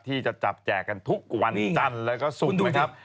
ที่จะจับแจกกันทุกวันจันทร์แล้วก็ศุกร์นะครับ